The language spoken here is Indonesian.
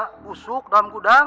pusuk dalam gudang